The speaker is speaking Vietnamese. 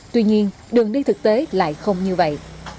tuy nhiên đường đi thực tế lại không như vậy